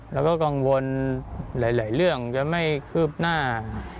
แล้วก็กังวลหลายเรื่องจะไม่คืบหน้า